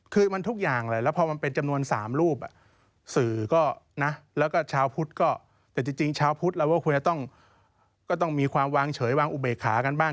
คือมันทุกอย่างเลยแล้วพอมันเป็นจำนวน๓รูปสื่อก็นะแล้วก็ชาวพุทธก็แต่จริงชาวพุทธเราก็ควรจะต้องมีความวางเฉยวางอุเบกขากันบ้าง